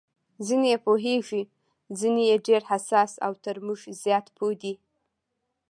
ځینې یې پوهېږي، ځینې یې ډېر حساس او تر موږ زیات پوه دي.